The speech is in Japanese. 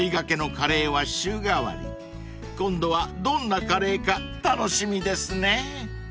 ［今度はどんなカレーか楽しみですね］